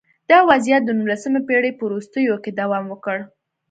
دا وضعیت د نولسمې پېړۍ په وروستیو کې دوام وکړ